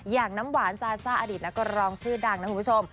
น้ำหวานซาซ่าอดีตนักร้องชื่อดังนะคุณผู้ชม